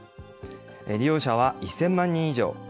利用者は１０００万人以上。